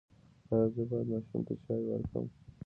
ایا زه باید ماشوم ته چای ورکړم؟